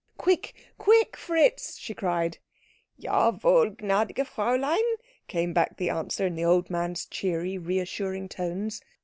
"Quick, quick, Fritz," she cried. "Jawohl, gnädiges Fräulein," came back the answer in the old man's cheery, reassuring tones.